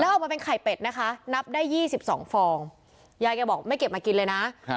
แล้วออกมาเป็นไข่เป็ดนะคะนับได้ยี่สิบสองฟองยายก็บอกไม่เก็บมากินเลยนะครับ